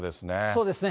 そうですね。